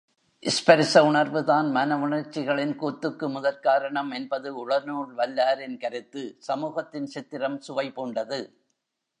ஸ்பரிச உணர்வு தான் மன வுணர்ச்சிகளின் கூத்துக்கு முதற்காரணம் என்பது உளநூல் வல்லாரின் கருத்து சமூகத்தின் சித்திரம் சுவைபூண்டது.